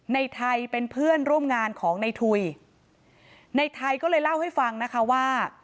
ในไทยเป็นเพื่อนร่วมงานของในทุยในไทยก็เลยเล่าให้ฟังนะคะว่า